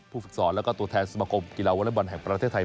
ฝึกสอนแล้วก็ตัวแทนสมคมกีฬาวอเล็กบอลแห่งประเทศไทย